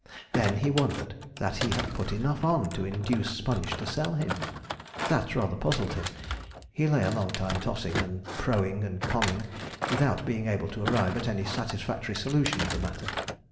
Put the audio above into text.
Then he wondered that he had put enough on to induce Sponge to sell him: that rather puzzled him. He lay a long time tossing, and proing and coning, without being able to arrive at any satisfactory solution of the matter.